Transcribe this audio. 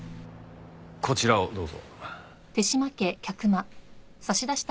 こちらをどうぞ。